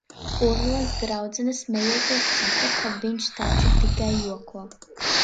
Urlas draudzene smejoties saka, ka viņš taču tikai joko.